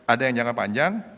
ada yang jangka panjang